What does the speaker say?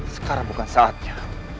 sekarang bukan saatnya